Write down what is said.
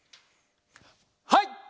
はい！